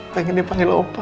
pengen dipanggil opa